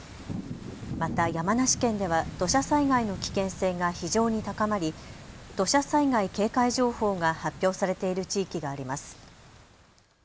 また、山梨県では土砂災害の危険性が非常に高まり土砂災害警戒情報が発表されている地域があります。